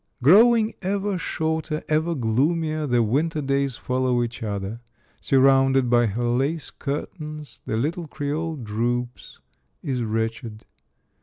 The Mirror, 303 Growing ever shorter, ever gloomier, the winter days follow each other. Surrounded by her lace curtains, the little Creole droops, is wretched.